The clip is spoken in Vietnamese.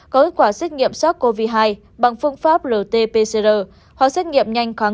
có kết quả xét nghiệm sars cov hai bằng phương pháp rt pcr hoặc xét nghiệm nhanh kháng